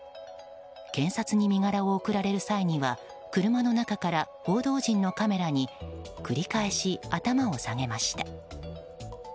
検察に身柄を送られる際には車の中から報道陣のカメラに繰り返し頭を下げました。